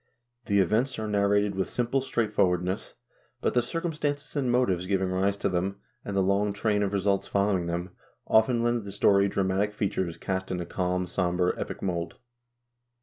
The events are nar rated with simple straightforwardness, but the circumstances and motives giving rise to them, and the long train of results following them, often lend the story dramatic features cast in a calm and som ber epic mold.